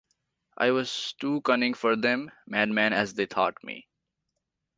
I was too cunning for them, madman as they thought me.